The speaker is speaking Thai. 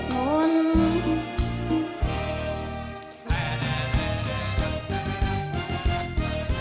ไม่เห็นใคร